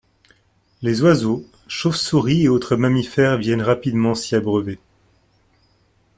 Les oiseaux, chauves-souris et autres mammifères viennent rapidement s’y abreuver.